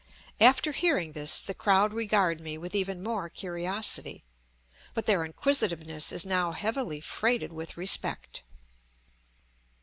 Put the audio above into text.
After hearing this the crowd regard me with even more curiosity; but their inquisitiveness is now heavily freighted with respect.